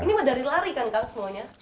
ini medali lari kan kang semuanya